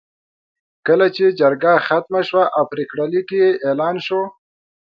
کله چې جرګه ختمه شوه او پرېکړه لیک یې اعلان شو.